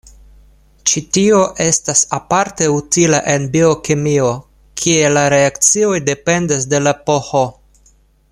Ĉi tio estas aparte utila en biokemio, kie la reakcioj dependas de la pH.